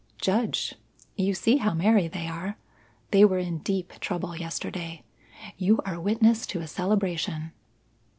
"Judge. You see how merry they are. They were in deep trouble yesterday. You are witness to a celebration."